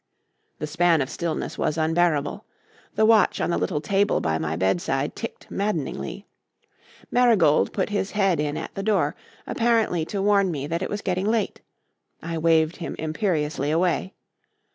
The span of stillness was unbearable. The watch on the little table by my bedside ticked maddeningly. Marigold put his head in at the door, apparently to warn me that it was getting late. I waved him imperiously away.